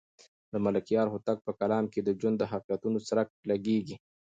د ملکیار هوتک په کلام کې د ژوند د حقیقتونو څرک لګېږي.